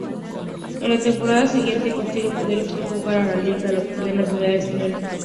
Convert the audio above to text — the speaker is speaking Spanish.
En la temporada siguiente consigue poder jugar la liga al obtener la nacionalidad española.